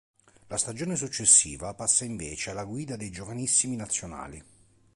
La stagione successiva passa invece alla guida dei giovanissimi nazionali.